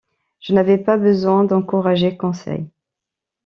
Je n’avais pas besoin d’encourager Conseil.